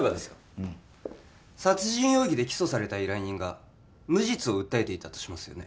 うん殺人容疑で起訴された依頼人が無実を訴えていたとしますよね